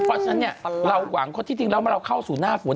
ต่อนะเนี่ยเราหวังสู่หน้าฝน